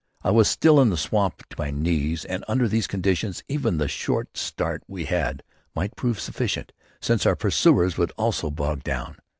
I was still in the swamp to my knees, and under those conditions even the short start we had might prove sufficient, since our pursuers would also bog down.